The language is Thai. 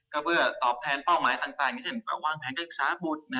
ก็เพื่อตอบแทนเป้าหมายต่างอย่างเช่นวางแผนการศึกษาบุตร